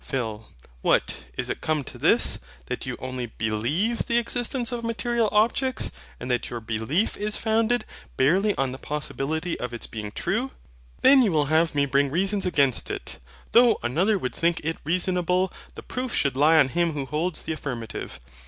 PHIL. What! Is it come to this, that you only BELIEVE the existence of material objects, and that your belief is founded barely on the possibility of its being true? Then you will have me bring reasons against it: though another would think it reasonable the proof should lie on him who holds the affirmative.